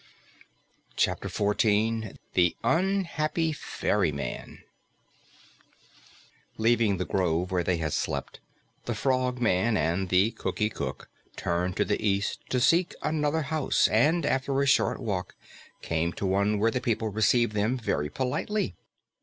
CHAPTER 14 THE UNHAPPY FERRYMAN Leaving the grove where they had slept, the Frogman and the Cookie Cook turned to the east to seek another house, and after a short walk came to one where the people received them very politely.